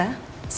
terima kasih masa